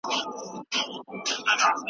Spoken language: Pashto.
ایا ځايي کروندګر وچ توت صادروي؟